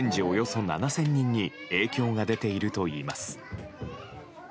およそ７０００人に影響が出ているといいます。